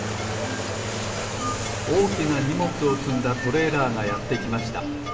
おおきなにもつをつんだトレーラーがやってきました。